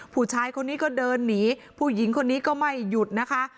ผู้ชายคนนี้ก็เดินหนีผู้หญิงคนนี้ก็ไม่หยุดนะคะ